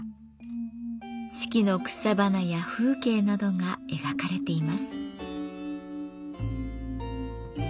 四季の草花や風景などが描かれています。